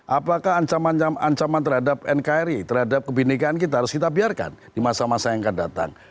apakah ancaman terhadap nkri terhadap kebenekaan kita harus kita biarkan di masa masa yang akan datang